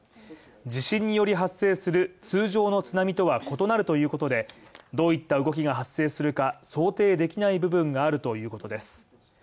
地震により発生する通常の津波とは異なるということで、どういった動きが発生するか想定できない部分があるということです。